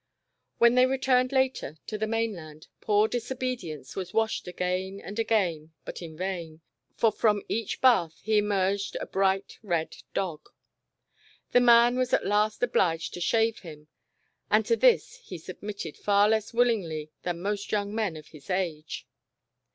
When they returned later, to the mainland, poor Disobedience was washed again The Disobedient Island. 215 and again, but in vain, for from each Ixith he emerged a bright red dog. The man was at last obliged to shave him, and to this he submit ted far less willingly than most young men of his age.